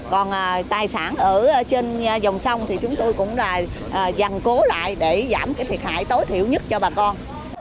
còn tài sản ở trên dòng sông thì chúng tôi cũng là dàn cố lại để giảm cái thiệt hại tối thiểu nhất cho bà con